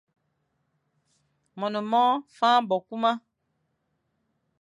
Mone mor faña bo kuma.